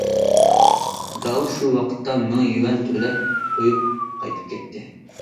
داۋۇت شۇ ۋاقىتتا مىڭ يۈەن تۆلەپ قويۇپ قايتىپ كەتتى.